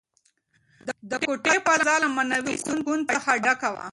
د کوټې فضا له معنوي سکون څخه ډکه وه.